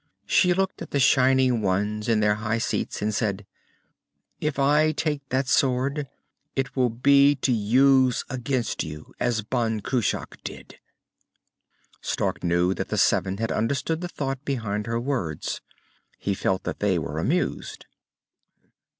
She looked at the shining ones in their high seats, and said, "If I take that sword, it will be to use it against you as Ban Cruach did!" Stark knew that the seven had understood the thought behind her words. He felt that they were amused.